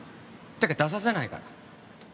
てか出させないから